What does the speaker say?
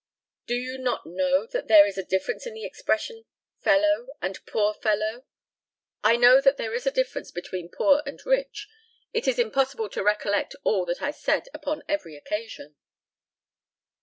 Do you not know that there is a difference in the expression "fellow" and "poor fellow?" I know that there is a difference between poor and rich. It is impossible to recollect all that I said upon every occasion.